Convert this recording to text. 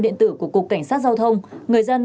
điện tử của cục cảnh sát giao thông người dân